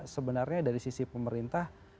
sebenarnya dari sisi pemerintah